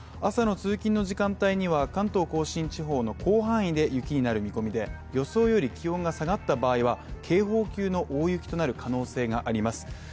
朝の通勤の時間帯には関東甲信地方の広範囲で雪になる見込みで、予想より気温が下がった場合には警報級の大雪となる可能性があります。